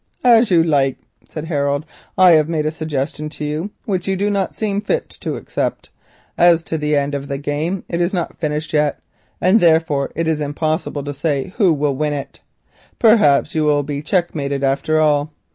"As you like," said Harold. "I have made a suggestion to you which you do not see fit to accept. As to the end of the game, it is not finished yet, and therefore it is impossible to say who will win it. Perhaps you will be checkmated after all.